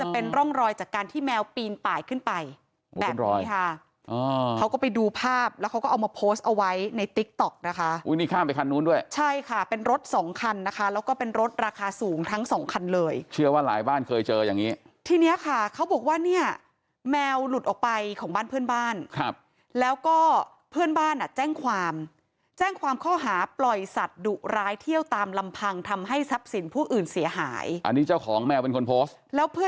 โพสต์เอาไว้ในติ๊กต๊อกนะคะอุ้ยนี่ข้ามไปคันนู้นด้วยใช่ค่ะเป็นรถสองคันนะคะแล้วก็เป็นรถราคาสูงทั้งสองคันเลยเชื่อว่าหลายบ้านเคยเจออย่างงี้ทีเนี้ยค่ะเขาบอกว่าเนี้ยแมวหลุดออกไปของบ้านเพื่อนบ้านครับแล้วก็เพื่อนบ้านอ่ะแจ้งความแจ้งความเข้าหาปล่อยสัตว์ดุร้ายเที่ยวตามลำพังทำให้ทรัพย์สินผู้